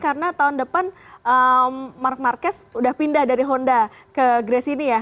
karena tahun depan mark marques sudah pindah dari honda ke gresini ya